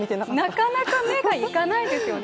なかなか目がいかないですよね。